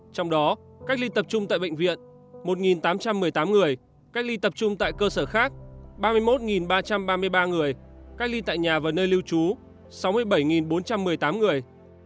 trong đó cách ly tập trung tại bệnh viện một tám trăm một mươi tám người cách ly tập trung tại cơ sở khác ba mươi một ba trăm ba mươi ba người cách ly tại nhà và nơi lưu trú sáu mươi bảy bốn trăm một mươi tám người